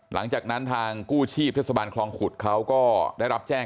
หลังจากนั้นทางกู้ชีพเทศบาลคลองขุดเขาก็ได้รับแจ้ง